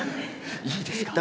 いいですか？